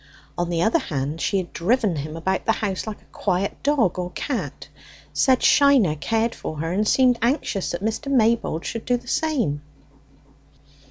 On the other hand, she had driven him about the house like a quiet dog or cat, said Shiner cared for her, and seemed anxious that Mr. Maybold should do the same.